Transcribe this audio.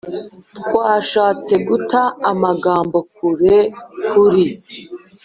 'twashatse guta amagambo kure; kuri